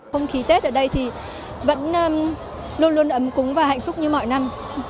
không khí tết ở đây thì vẫn luôn luôn ấm cúng và hạnh phúc như mọi năm